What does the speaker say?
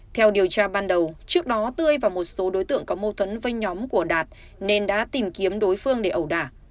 theo điều tra ban đầu trước đó tươi và một số đối tượng có mâu thuẫn với nhóm của đạt nên đã tìm kiếm đối phương để ẩu đả